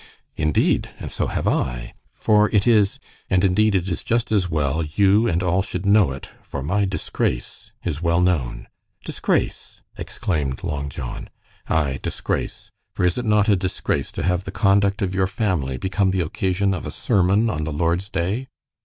"Indeed, and so have I. For it is " "And indeed, it is just as well you and all should know it, for my disgrace is well known." "Disgrace!" exclaimed Long John. "Ay, disgrace. For is it not a disgrace to have the conduct of your family become the occasion of a sermon on the Lord's Day?"